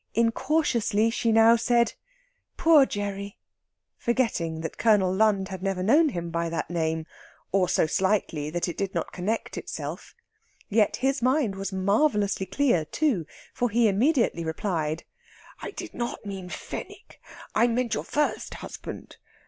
Incautiously she now said, "Poor Gerry!" forgetting that Colonel Lund had never known him by that name, or so slightly that it did not connect itself. Yet his mind was marvellously clear, too; for he immediately replied: "I did not mean Fenwick. I meant your first husband.